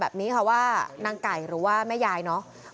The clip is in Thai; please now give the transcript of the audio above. แม่อยากดูว่าไอ้คนเนี้ยมันน่าตายังไง